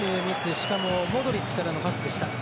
しかもモドリッチからのパスでした。